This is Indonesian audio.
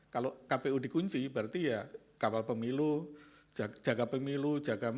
kalau kpu dikunci berarti ya kawal pemilu jaga pemilu jaga